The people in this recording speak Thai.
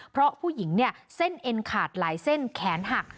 เพราะผู้หญิงเนี่ยเส้นเอ็นขาดหลายเส้นแขนหัก